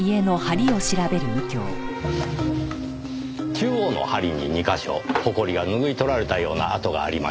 中央の梁に２カ所ほこりがぬぐい取られたような跡がありました。